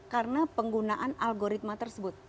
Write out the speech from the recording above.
karena penggunaan algoritma tersebut